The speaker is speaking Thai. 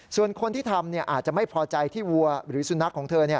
ส่วนคนที่ทำอาจจะไม่พอใจที่วัวหรือสุนัขของเธอ